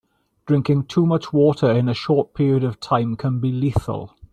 Drinking too much water in a short period of time can be lethal.